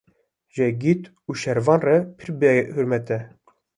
ji egît û şervan re pir bi hurrmet e.